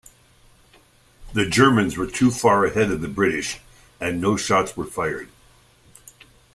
The Germans were too far ahead of the British, and no shots were fired.